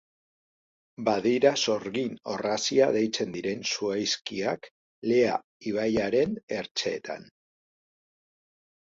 Badira sorgin orrazia deitzen diren zuhaizkiak Lea ibaiaren ertzeetan.